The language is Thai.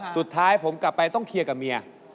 สุดท้ายผมกลับไปต้องเคลียร์กับเมีย